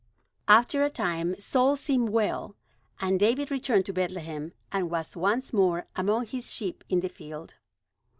After a time, Saul seemed well; and David returned to Bethlehem and was once more among his sheep in the field.